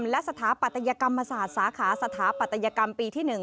และสถาปัตยกรรมศาสตร์สาขาสถาปัตยกรรมปีที่๑